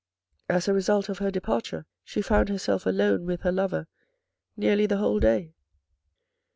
As a result of her departure, she found herself alone with her lover nearly the whole day.